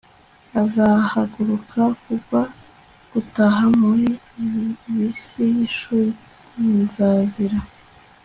azahaguruka kugwa gutaha, muri bisi yishuri - nzarira